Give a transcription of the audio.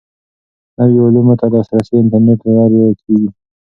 نویو علومو ته لاسرسی د انټرنیټ له لارې کیږي.